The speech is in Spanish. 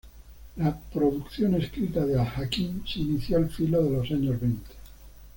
La producción escrita de al-Hakim se inicia al filo de los años veinte.